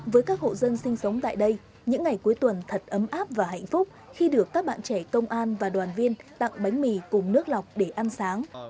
với các hộ dân sinh sống tại đây những ngày cuối tuần thật ấm áp và hạnh phúc khi được các bạn trẻ công an và đoàn viên tặng bánh mì cùng nước lọc để ăn sáng